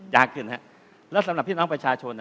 แล้วสำหรับพี่น้องประชาชน